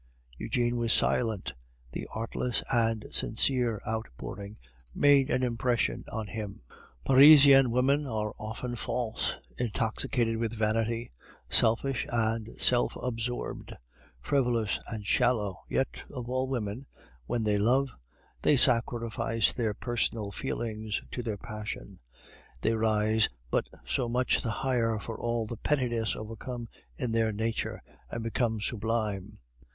Eugene was silent, the artless and sincere outpouring made an impression on him. Parisian women are often false, intoxicated with vanity, selfish and self absorbed, frivolous and shallow; yet of all women, when they love, they sacrifice their personal feelings to their passion; they rise but so much the higher for all the pettiness overcome in their nature, and become sublime.